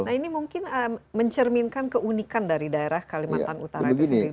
nah ini mungkin mencerminkan keunikan dari daerah kalimantan utara itu sendiri